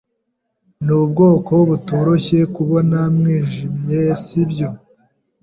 Nubwoko butoroshye kubona mwijimye, sibyo?